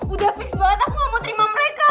udah fix banget aku gak mau terima mereka